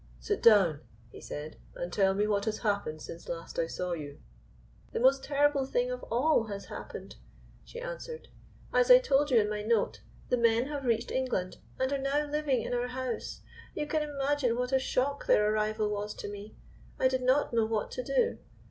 "Sit down," he said, "and tell me what has happened since last I saw you." "The most terrible thing of all has happened," she answered. "As I told you in my note, the men have reached England, and are now living in our house. You can imagine what a shock their arrival was to me. I did not know what to do.